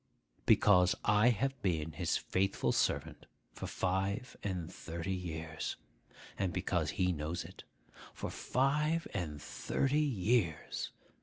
'Because I have been his faithful servant for five and thirty years, and because he knows it. For five and thirty years!